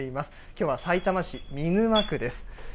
きょうはさいたま市見沼区です。